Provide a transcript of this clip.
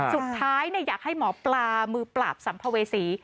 สุดท้ายอยากให้หมอปลามือปราบสัมภเวษี